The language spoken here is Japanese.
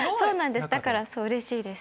だからうれしいです。